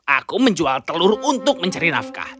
aku menjual telur untuk mencari nafkah